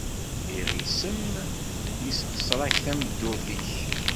Iɣisem yessexṣer-ak tameddurt-nnek.